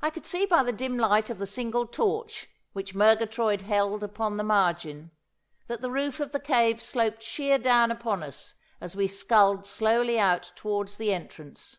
I could see by the dim light of the single torch which Murgatroyd held upon the margin, that the roof of the cave sloped sheer down upon us as we sculled slowly out towards the entrance.